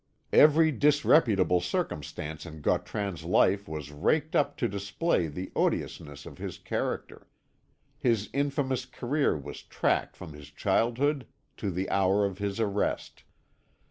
Every disreputable circumstance in Gautran's life was raked up to display the odiousness of his character; his infamous career was tracked from his childhood to the hour of his arrest.